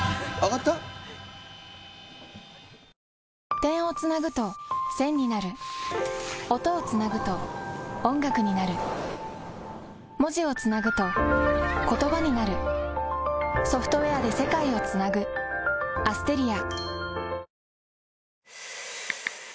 点をつなぐと線になる音をつなぐと音楽になる文字をつなぐと言葉になるソフトウェアで世界をつなぐＡｓｔｅｒｉａ